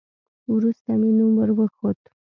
وروسته مې نوم ور وښود.